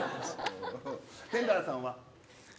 テンダラーさんは。